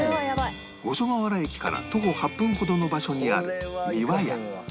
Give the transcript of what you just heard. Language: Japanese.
五所川原駅から徒歩８分ほどの場所にあるみわや